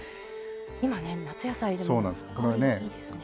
今ね夏野菜でも香りいいですね。